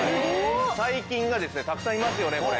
細菌がですねたくさんいますよねこれ。